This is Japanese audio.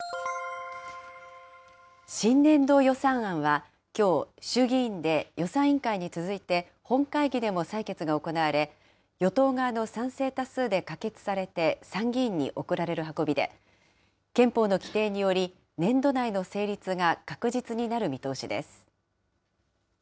新年度予算案は、きょう、衆議院で予算委員会に続いて、本会議でも採決が行われ、与党側の賛成多数で可決されて参議院に送られる運びで、憲法の規定により、年度内の成立が確実になる見通しです。